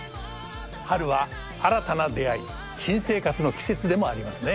春は新たな出会い新生活の季節でもありますね。